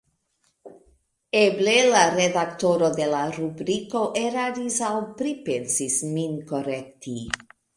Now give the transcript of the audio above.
Eble la redaktoro de la rubriko eraris aŭ pripensis min korekti.